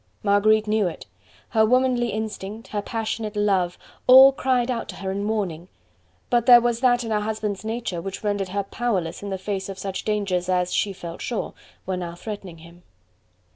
Marguerite knew it; her womanly instinct, her passionate love, all cried out to her in warning: but there was that in her husband's nature which rendered her powerless in the face of such dangers, as, she felt sure, were now threatening him.